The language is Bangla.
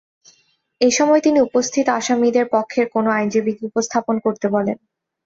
এ সময় তিনি উপস্থিত আসামিদের পক্ষের কোনো আইনজীবীকে উপস্থাপন শুরু করতে বলেন।